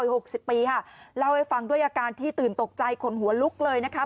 หกสิบปีค่ะเล่าให้ฟังด้วยอาการที่ตื่นตกใจขนหัวลุกเลยนะคะ